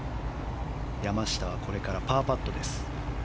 山下はこれからパーパットです。